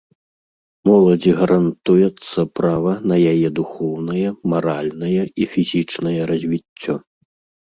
Моладзі гарантуецца права на яе духоўнае, маральнае і фізічнае развіццё.